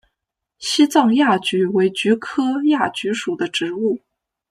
西藏亚菊为菊科亚菊属的植物。